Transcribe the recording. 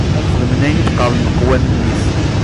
Ad xeddmen ayen i d-qqaren leqwanen-is.